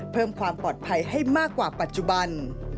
เพิ่มความปลอดภัยให้มากกว่าปัจจุบัน